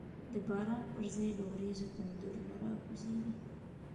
د باران پر ځای له وریځو، تندرونه راکوزیږی